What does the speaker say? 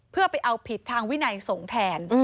เพื่อไปเอาผิดทางวินัยสงฆ์แทน